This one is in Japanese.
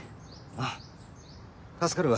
あっ助かるわ。